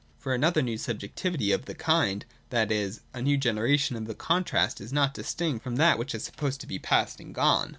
(For another new sub jectivity of the kind, that is, a new generation of the contrast, is not distinct from that which is supposed to be past and gone.)